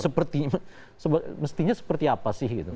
seperti mestinya seperti apa sih gitu